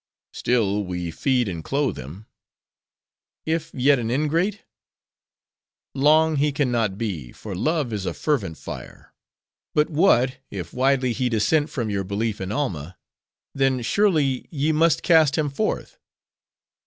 "Still we feed and clothe him." "If yet an ingrate?" "Long, he can not be; for Love is a fervent fire." "But what, if widely he dissent from your belief in Alma;—then, surely, ye must cast him forth?"